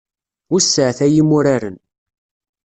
Wesseɛet ay imuraren.